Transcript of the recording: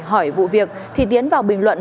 hỏi vụ việc thì tiến vào bình luận